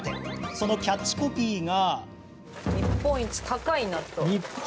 そのキャッチコピーが。